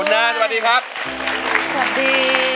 คุณนางสวัสดีครับสวัสดี